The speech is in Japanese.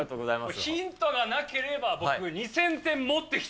ヒントがなければ、僕、いやいや。